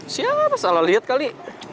siapa salah lihat kali